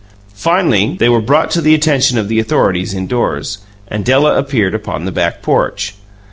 Finally, they were brought to the attention of the authorities indoors, and Della appeared upon the back porch.